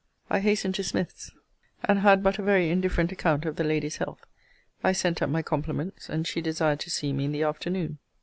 I hastened to Smith's, and had but a very indifferent account of the lady's health. I sent up my compliments; and she desired to see me in the afternoon.